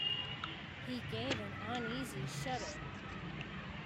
He gave an uneasy shudder.